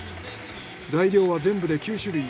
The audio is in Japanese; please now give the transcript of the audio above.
材料は全部で９種類。